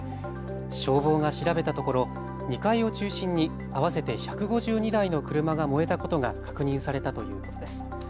消防が調べたところ２階を中心に合わせて１５２台の車が燃えたことが確認されたということです。